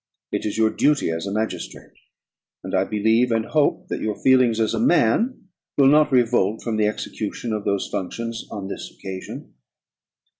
It is your duty as a magistrate, and I believe and hope that your feelings as a man will not revolt from the execution of those functions on this occasion."